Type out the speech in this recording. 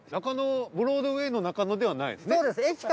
中野ブロードウェイの中野ではないですね。